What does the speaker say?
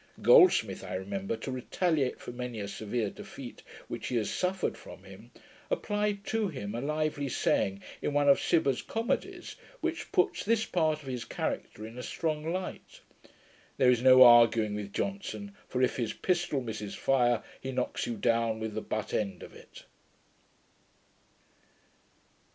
Goldsmith, I remember, to retaliate for many a severe defeat which he has suffered from him, applied to him a lively saying in one of Cibber's comedies, which puts this part of his character in a strong light. 'There is no arguing with Johnson; for, IF HIS PISTOL MISSES FIRE, HE KNOCKS YOU DOWN WITH THE BUT END OF IT.'